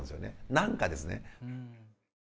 何かですね。